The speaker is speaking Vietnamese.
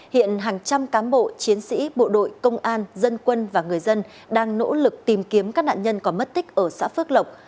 hiện hàng trăm cám bộ chiến sĩ bộ đội công an dân quân và người dân đang nỗ lực tìm kiếm các nạn nhân có mất tích ở xã phước lộc